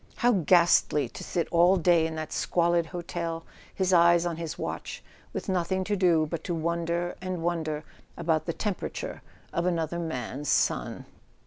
How ghastly to sit all day in that squalid hotel, his eyes on his watch, with nothing to do but to wonder and wonder about the temperature of another man's son!